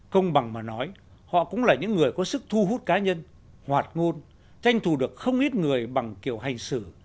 công bằng mà nói họ cũng là những người có sức thu hút cá nhân hoạt ngôn tranh thủ được không ít người bằng kiểu hành xử